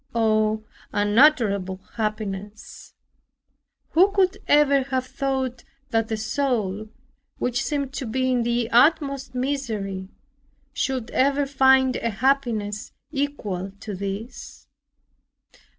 Oh, unutterable happiness! Who could ever have thought that a soul, which seemed to be in the utmost misery, should ever find a happiness equal to this?